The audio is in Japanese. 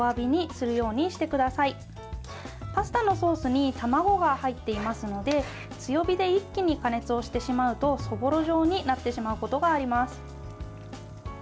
パスタのソースに卵が入っていますので強火で一気に加熱をしてしまうとそぼろ状になってしまうことがあります。